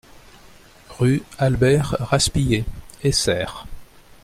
Rue Albert Raspiller, Essert